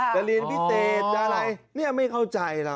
จะเรียนพิเศษอะไรนี่ไม่เข้าใจเรา